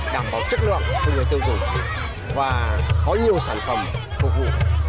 đảm bảo chất lượng cho người tiêu dùng và có nhiều sản phẩm phục vụ